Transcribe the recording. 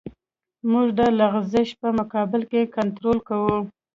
موږ د لغزش په مقابل کې کنټرول کوو